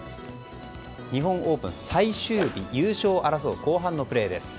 日本オープン最終日優勝を争う後半のプレーです。